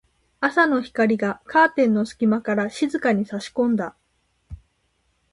朝の光がカーテンの隙間から静かに差し込んだ。